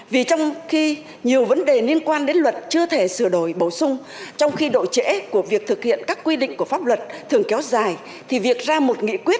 vì trong khi nhiều vấn đề liên quan đến luật chưa thể sửa đổi bổ sung trong khi độ trễ của việc thực hiện các quy định của pháp luật thường kéo dài thì việc ra một nghị quyết